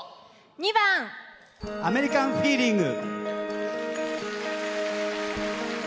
２番「アメリカン・フィーリング」。